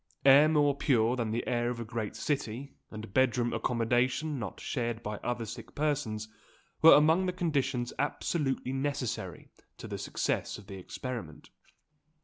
Air more pure than the air of a great city, and bed room accommodation not shared by other sick persons, were among the conditions absolutely necessary to the success of the experiment.